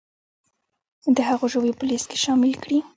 د هغو ژویو په لیست کې شامل کړي